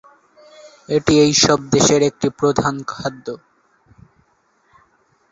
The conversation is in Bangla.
এটি এইসব দেশের একটি প্রধান খাদ্য।